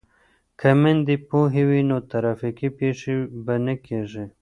که میندې پوهې وي نو ترافیکي پیښې به نه کیږي.